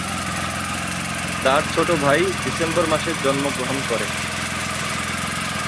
তার ছোট ভাই ডিসেম্বর মাসে জন্মগ্রহণ করে।